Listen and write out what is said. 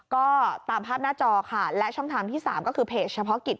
ก็ตามภาพหน้าจอค่ะและช่องทางที่๓ก็คือเพจเฉพาะกิจ